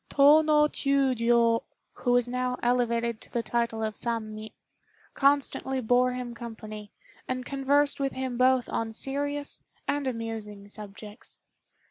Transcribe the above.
Tô no Chiûjiô, who was now elevated to the title of Sammi, constantly bore him company, and conversed with him both on serious and amusing subjects.